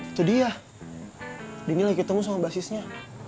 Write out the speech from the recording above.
itu dia demi lagi ketemu sama basisnya